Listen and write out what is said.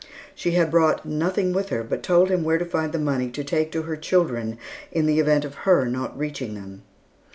She had brought nothing with her, but told him where to find money to take to her children in the event of her not reaching them.